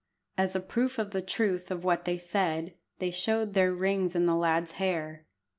As a proof of the truth of what they said, they showed their rings in the lad's hair.